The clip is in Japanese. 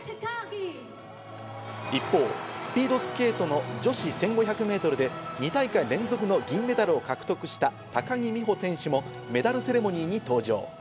一方、スピードスケートの女子１５００メートルで２大会連続の銀メダルを獲得した高木美帆選手もメダルセレモニーに登場。